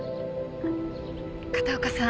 片岡さん